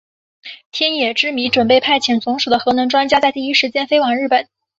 天野之弥准备派遣总署的核能专家在第一时间飞往日本。